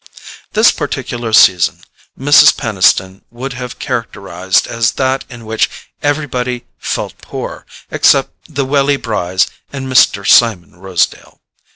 This particular season Mrs. Peniston would have characterized as that in which everybody "felt poor" except the Welly Brys and Mr. Simon Rosedale.